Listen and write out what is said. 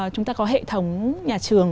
chúng ta có hệ thống nhà trường